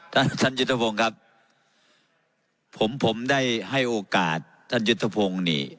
ท่านท่านยุทธพงศ์ครับผมผมได้ให้โอกาสท่านยุทธพงศ์นี่